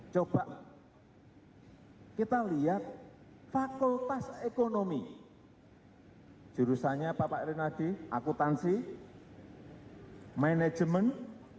coba kita lihat fakultas ekonomi jurusannya pak renaldi akutansi management